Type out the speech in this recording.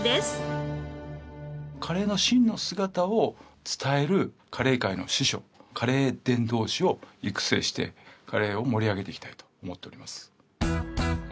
カレーの真の姿を伝えるカレー界の師匠カレー伝道師を育成してカレーを盛り上げていきたいと思っております。